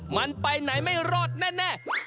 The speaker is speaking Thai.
มันไปไหนไม่รอดแน่